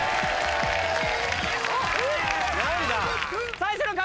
最初の壁